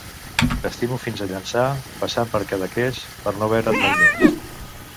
T'estimo fins a Llançà, passant per Cadaqués, per no veure't mai més!